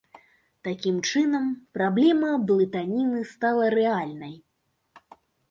Такім чынам, праблема блытаніны стала рэальнай.